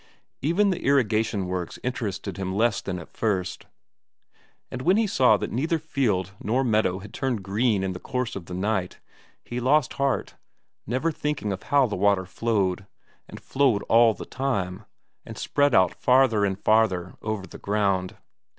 Even the irrigation works interested him less than at first and when he saw that neither field nor meadow had turned green in the course of the night, he lost heart, never thinking of how the water flowed, and flowed all the time, and spread out farther and farther over the ground.